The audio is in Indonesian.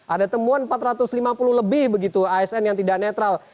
ada temuan empat ratus lima puluh lebih begitu asn yang tidak netral